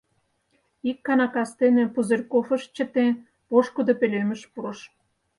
Икана кастене Пузырьков ыш чыте, пошкудо пӧлемыш пурыш.